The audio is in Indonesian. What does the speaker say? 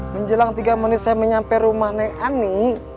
menjelang tiga menit saya menyampai rumah nek ani